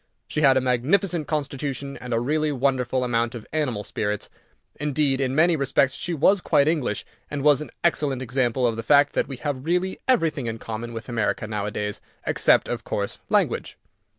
She had a magnificent constitution, and a really wonderful amount of animal spirits. Indeed, in many respects, she was quite English, and was an excellent example of the fact that we have really everything in common with America nowadays, except, of course, language.